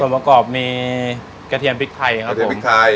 ส่วนประกอบมีกระเทียมพริกไทยครับผม